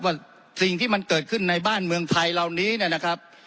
ว่าสิ่งที่มันเกิดขึ้นในบ้านเมืองไทยเหล่านี้นะครับ